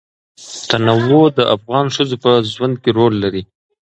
تنوع د افغان ښځو په ژوند کې رول لري.